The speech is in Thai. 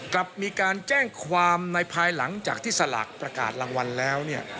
กลับมีการแจ้งความในภายหลังจากที่สลากประกาศรางวัลแล้วเนี่ย